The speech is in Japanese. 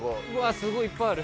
すごいいっぱいある！